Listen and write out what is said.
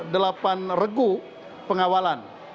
delapan regu pengawalan